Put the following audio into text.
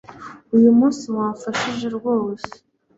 Uyu munsi wamfashije rwose